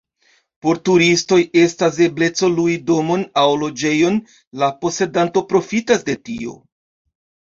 Por turistoj estas ebleco lui domon aŭ loĝejon, la posedanto profitas de tio.